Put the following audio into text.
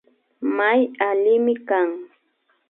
May allimi kan